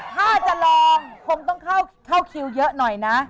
ถ้าจะลองคงต้องเข้าคิวเยอะหน่อยนะ